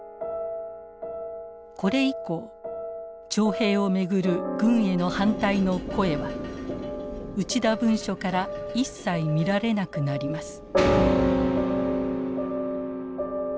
これ以降徴兵を巡る軍への反対の声は「内田文書」から一切見られなくなります。